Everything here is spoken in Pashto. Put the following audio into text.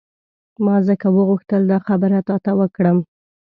ما ځکه وغوښتل دا خبره تا ته وکړم.